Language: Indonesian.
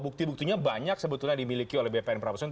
bukti buktinya banyak sebetulnya dimiliki oleh bpn prabowo